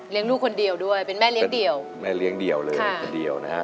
เลี้ยงลูกคนเดียวด้วยเป็นแม่เลี้ยงเดี่ยว